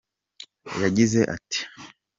Yagize ati